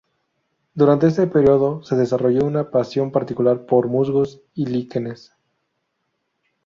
Durante este período se desarrolló una pasión particular por musgos y líquenes.